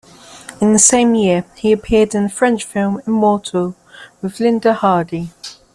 In the same year, he appeared in the French film "Immortal" with Linda Hardy.